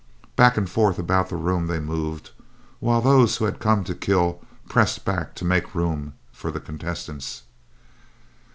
Back and forth about the room they moved, while those who had come to kill pressed back to make room for the contestants.